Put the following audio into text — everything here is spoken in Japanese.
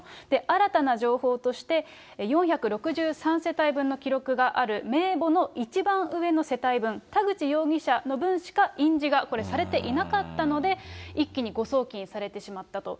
新たな情報として、４６３世帯分の記録がある名簿の一番上の世帯分、田口容疑者の分しか印字がこれ、されていなかったので、一気に誤送金されてしまったと。